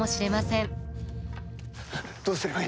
どうすればええ